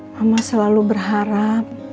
mama selalu berharap